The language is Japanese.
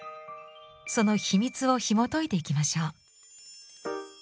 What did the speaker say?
その秘密をひもといていきましょう。